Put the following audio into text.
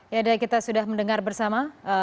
ya daya kita sudah mendengar bersama